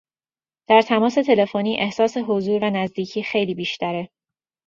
در تماس تلفنی احساس حضور و نزدیکی خیلی بیشتره